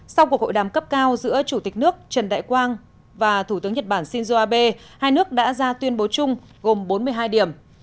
sau cuộc hội đàm cấp cao giữa chủ tịch nước trần đại quang và thủ tướng nhật bản shinzo abe hai nước đã ra tuyên bố chung gồm bốn mươi hai điểm